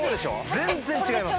全然違います。